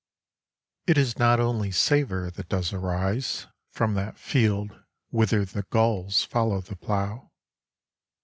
IT is not only savour that does arise From that field whither the gulls follow the plough.